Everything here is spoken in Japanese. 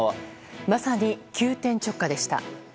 まさに急転直下でした。